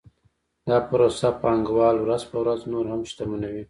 دا پروسه پانګوال ورځ په ورځ نور هم شتمنوي